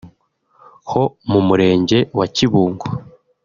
ho mu murenge wa Kibungo